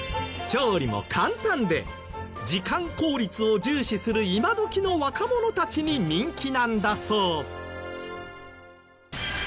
時間効率を重視する今どきの若者たちに人気なんだそう。